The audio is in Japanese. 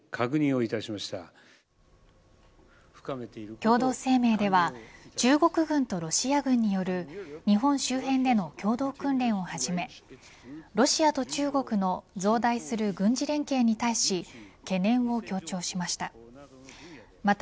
共同声明では中国軍とロシア軍による日本周辺での共同訓練をはじめロシアと中国の増大する軍事連携に対し懸念を強調しました。